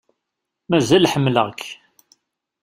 Mazal ḥemmleɣ-k.